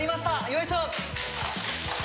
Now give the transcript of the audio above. よいしょ！